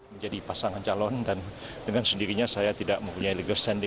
menjadi pasangan calon dan dengan sendirinya saya tidak mempunyai legal standing